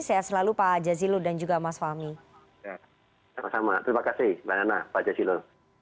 saya selalu pak jajilo dan juga mas fahmi sama sama terima kasih pak jajilo